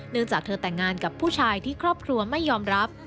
จากเธอแต่งงานกับผู้ชายที่ครอบครัวไม่ยอมรับ